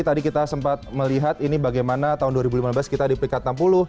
tadi kita sempat melihat ini bagaimana tahun dua ribu lima belas kita di peringkat enam puluh